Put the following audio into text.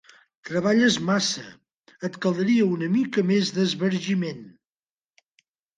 Treballes massa: et caldria una mica més d'esbargiment.